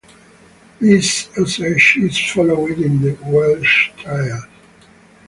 This usage is followed in the Welsh Triads.